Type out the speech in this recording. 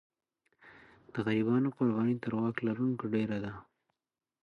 د غریبانو قرباني تر واک لرونکو ډېره ده.